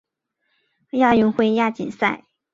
亚运会亚锦赛